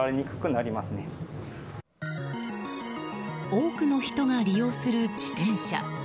多くの人が利用する自転車。